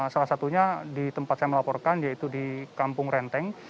salah satunya di tempat saya melaporkan yaitu di kampung renteng